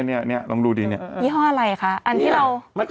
กระพรเรื่องอะไรนะ